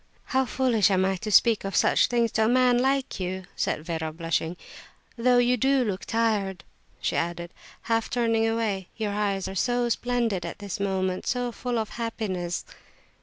"How foolish I am to speak of such things to a man like you," said Vera, blushing. "Though you do look tired," she added, half turning away, "your eyes are so splendid at this moment—so full of happiness."